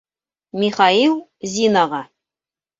Михаил Зинаға: